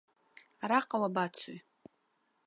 Араҟа уабацои?